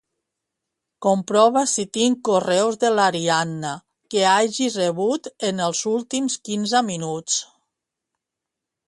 Comprova si tinc correus de l'Ariadna que hagi rebut en els últims quinze minuts.